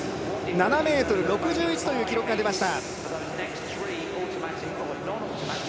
７ｍ６１という数字が出ました。